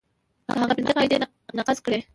که هغه پنځه قاعدې نقض کړي.